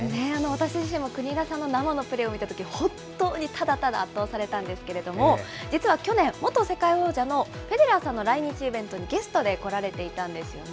私自身も国枝さんの生のプレーを見たとき、本当にただただ圧倒されたんですけれども、実は去年、元世界王者のフェデラーさんの来日イベントに、ゲストで来られていたんですよね。